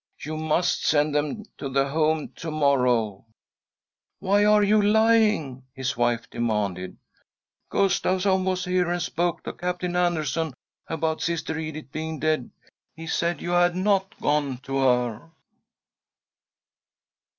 You must send them to. the Home to morrow." " Why are you lying ?" his wife demanded. "Gustawson was here, and spoke to Captain Andersson about Sister Edith being dead. He said that you had not gone to her."